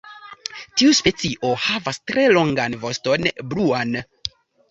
Tiu specio havas tre longan voston bluan.